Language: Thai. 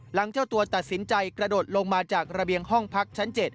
เจ้าตัวตัดสินใจกระโดดลงมาจากระเบียงห้องพักชั้น๗